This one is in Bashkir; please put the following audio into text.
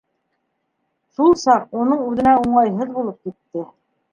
Шул саҡ уның үҙенә уңайһыҙ булып китте.